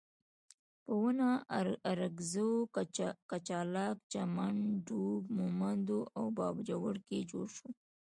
په واڼه، ارکزو، کچلاک، چمن، ږوب، مومندو او باجوړ کې جوړ شول.